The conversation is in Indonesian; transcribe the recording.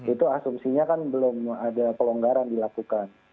itu asumsinya kan belum ada pelonggaran dilakukan